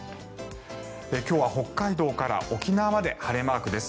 今日は北海道から沖縄まで晴れマークです。